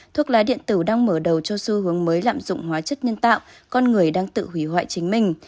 thuốc lá điện tử đang mở đầu cho xu hướng mới lạm dụng hóa chất nhân tạo con người đang tự hủy hoại chính mình